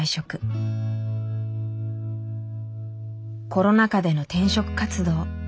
コロナ禍での転職活動。